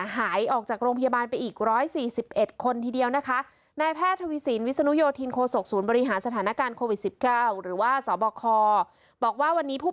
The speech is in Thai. หายออกจากโรงพยาบาลไปอีก๑๔๑คนทีเดียวนะคะ